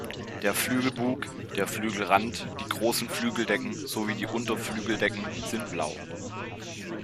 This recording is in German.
Der Flügelbug, der Flügelrand, die großen Flügeldecken sowie die Unterflügeldecken sind blau.